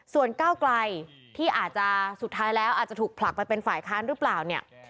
ส่วนก้าวไกลที่อาจจะสุดท้ายแล้วอาจจะถูกผลักไปเป็นฝ่ายค้านหรือเปล่าเนี่ย